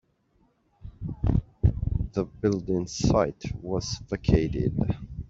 The building site was vacated.